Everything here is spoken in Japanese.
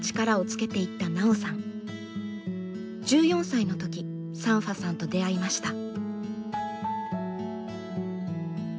１４歳の時サンファさんと出会いました。